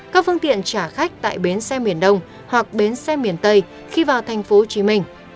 các phương tiện trả khách tại bến xe miền đông hoặc bến xe miền tây khi vào tp hcm